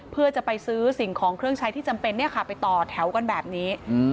เพื่อจะไปซื้อสิ่งของเครื่องใช้ที่จำเป็นไปต่อแถวกันแบบนี้